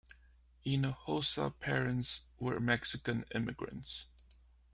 Hinojosa's parents were Mexican immigrants.